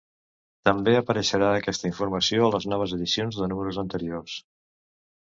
També apareixerà aquesta informació a les noves edicions de números anteriors.